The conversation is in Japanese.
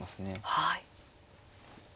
はい。